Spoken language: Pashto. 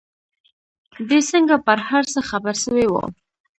دى څنگه پر هر څه خبر سوى و.